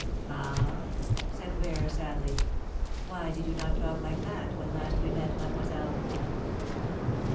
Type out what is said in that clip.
"Ah," said Ware sadly, "why did you not talk like that when last we met, mademoiselle?"